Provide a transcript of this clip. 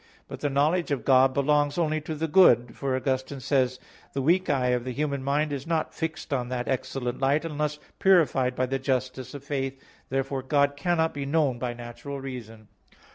But the knowledge of God belongs only to the good; for Augustine says (De Trin. i): "The weak eye of the human mind is not fixed on that excellent light unless purified by the justice of faith." Therefore God cannot be known by natural reason.